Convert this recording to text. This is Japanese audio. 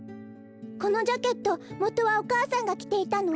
このジャケットもとはお母さんがきていたの？